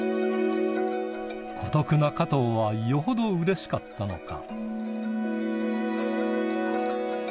孤独な加藤はよほどうれしかったのか